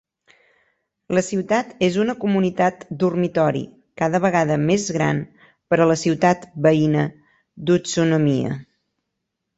La ciutat és una comunitat dormitori cada vegada més gran per a la ciutat veïna d'Utsunomiya.